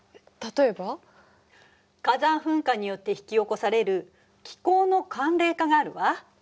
例えば？火山噴火によって引き起こされる気候の寒冷化があるわ。